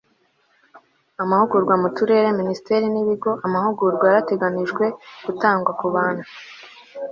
amahugurwa mu turere, minisiteri n'ibigo amahugurwa yarateganyijwe gutangwa ku bantu